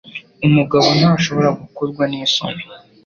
Umugabo ntashobora gukorwa ni soni